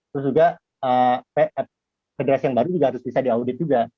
terus juga federasi yang baru juga harus bisa diaudit juga